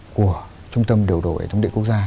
của trung tâm điều đội tổng địa quốc gia